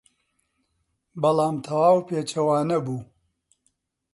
بەڵام تەواو پێچەوانە بوو.